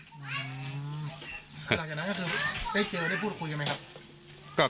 หลังจากนั้นก็คือได้เจอได้พูดคุยกันไหมครับ